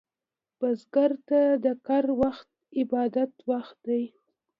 بزګر ته د کر وخت عبادت وخت دی